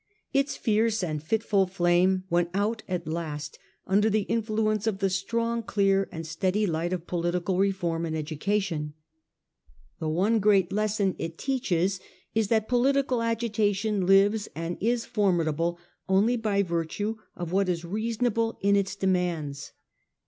Its fierce and fitful flame went out at last under the influence of the clear, strong and steady light of political reform and education. The one great lesson it teaches is, that political agitation fives and is formidable only by virtue of what is reasonable in its demands.